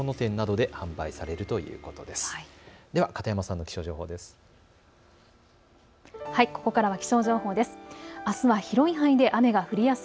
では片山さんの気象情報です。